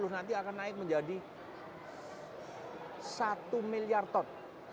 dua ribu enam puluh nanti akan naik menjadi satu miliar ton